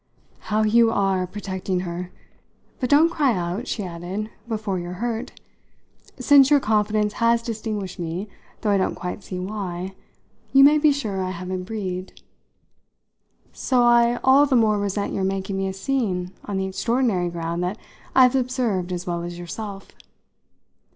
"How you are protecting her! But don't cry out," she added, "before you're hurt. Since your confidence has distinguished me though I don't quite see why you may be sure I haven't breathed. So I all the more resent your making me a scene on the extraordinary ground that I've observed as well as yourself.